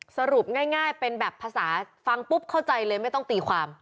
สรุปง่ายเป็นแบบภาษาฟังปุ๊บเข้าใจเลยไม่ต้องตีความ